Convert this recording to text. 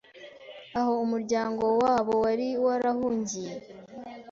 aho umuryango wabo wari warahungiye.